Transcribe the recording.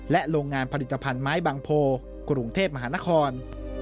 โรงงานผลิตภัณฑ์ไม้บางโพกรุงเทพมหานคร